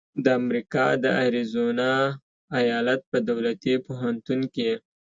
د امریکا د اریزونا ایالت په دولتي پوهنتون کې